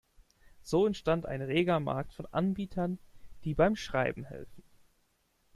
So entstand ein reger Markt von Anbietern, die beim Schreiben helfen.